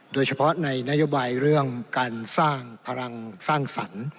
โดยเฉพาะในนโยบายเรื่องการสร้างพลังสร้างสรรค์